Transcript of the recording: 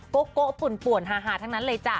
โก๊ะโก๊ะปุ่นป่วนฮาทั้งนั้นเลยจ้ะ